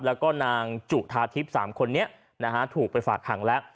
แล้วก็นางจุธาทิพย์๓คนนี้นะฮะถูกไปฝากหังแล้ว